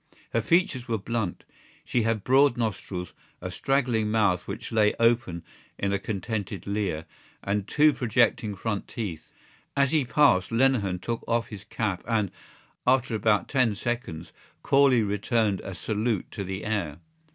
Her features were blunt. She had broad nostrils, a straggling mouth which lay open in a contented leer, and two projecting front teeth. As he passed Lenehan took off his cap and, after about ten seconds, Corley returned a salute to the air.